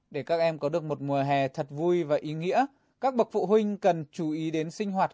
để các em có được một mùa hè thật vui và ý nghĩa các bậc phụ huynh cần chú ý đến sinh hoạt